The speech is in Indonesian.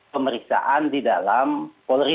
pemeriksaan di dalam polri